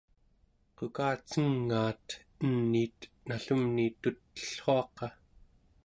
qukacengaat eniit nallumni tut'ellruaqa